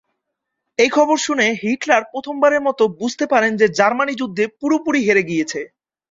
এই খবর শুনে হিটলার প্রথমবারের মত বুঝতে পারেন যে জার্মানি যুদ্ধে পুরোপুরি হেরে গিয়েছে।